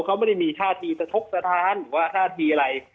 เขาไม่ได้มีท่าทีสะทกสถานหรือว่าท่าทีอะไร